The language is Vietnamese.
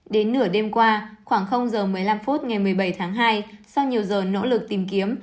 đến nửa đêm qua khoảng giờ một mươi năm phút ngày một mươi bảy tháng hai sau nhiều giờ nỗ lực tìm kiếm